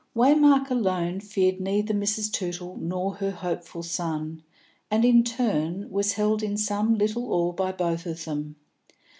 Waymark alone feared neither Mrs. Tootle nor her hopeful son, and, in turn, was held in some little awe by both of them.